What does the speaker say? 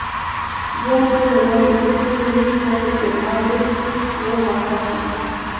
بیا تر رڼا کېدو پورې ویښ پاتې شوم او ډېر و خسته شوم.